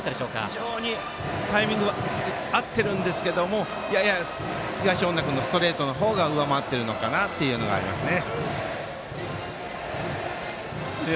非常にタイミング合ってるんですけどもやや東恩納君のストレートのほうが上回ってるのかなというのはありますね。